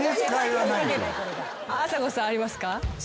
あさこさんありますか？